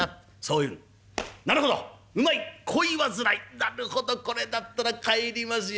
なるほどこれだったら帰りますよ。